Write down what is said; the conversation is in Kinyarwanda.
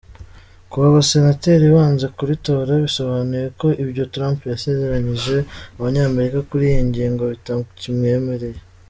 Kuba abasenateri banze kuritora bisobanuye ko ibyo Trump yasezeranyije Abanyamerika kuri iyi ngingo bitakimwemereye.